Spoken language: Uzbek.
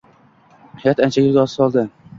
Hayot ancha yo’lga soldi.